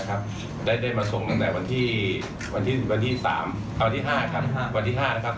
ก็ได้มาส่งตั้งแต่วันที่๕นะครับ